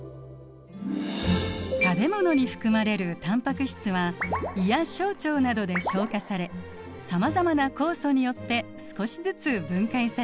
食べ物に含まれるタンパク質は胃や小腸などで消化されさまざまな酵素によって少しずつ分解されていきます。